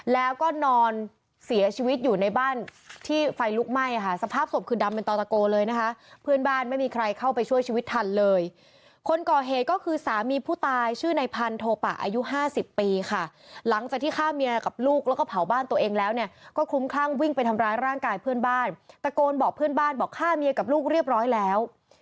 แล้วก็นอนเสียชีวิตอยู่ในบ้านที่ไฟลุกไหม้ค่ะสภาพศพคือดำเป็นต่อตะโกเลยนะคะเพื่อนบ้านไม่มีใครเข้าไปช่วยชีวิตทันเลยคนก่อเหตุก็คือสามีผู้ตายชื่อในพันโทปะอายุห้าสิบปีค่ะหลังจากที่ฆ่าเมียกับลูกแล้วก็เผาบ้านตัวเองแล้วเนี่ยก็คลุ้มคลั่งวิ่งไปทำร้ายร่างกายเพื่อนบ้านตะโกนบอกเพื่อนบ้านบอกฆ่าเมียกับลูกเรียบร้อยแล้ว